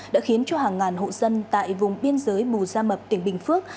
đã khiến cho hàng ngàn hộ dân tại vùng biên giới mùa ra mập tiền bình phước